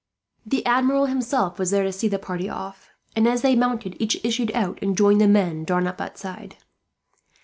The Admiral himself was there to see the party off and, as they mounted, each issued out and joined the men drawn up outside.